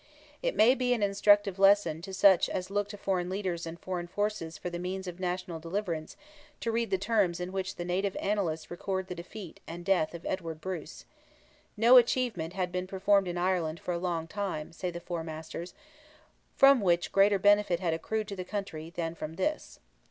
It may be an instructive lesson to such as look to foreign leaders and foreign forces for the means of national deliverance to read the terms in which the native Annalists record the defeat and death of Edward Bruce: "No achievement had been performed in Ireland, for a long time," say the Four Masters, "from which greater benefit had accrued to the country than from this."